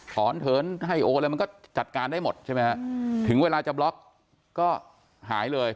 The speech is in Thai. เถินให้โอนอะไรมันก็จัดการได้หมดใช่ไหมฮะถึงเวลาจะบล็อกก็หายเลย